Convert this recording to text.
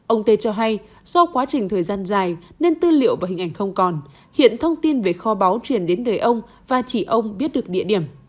ông tê cho hay do quá trình thời gian dài nên tư liệu và hình ảnh không còn hiện thông tin về kho báu truyền đến đời ông và chỉ ông biết được địa điểm